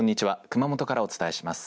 熊本からお伝えします。